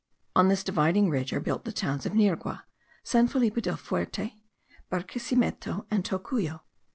On this dividing ridge are built the towns of Nirgua, San Felipe el Fuerte, Barquesimeto, and Tocuyo.